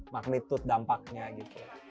magnitude dampaknya gitu